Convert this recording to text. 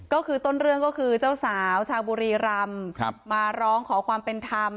ก็คือต้นเรื่องก็คือเจ้าสาวชาวบุรีรำมาร้องขอความเป็นธรรม